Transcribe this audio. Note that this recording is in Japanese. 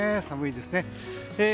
寒いですね。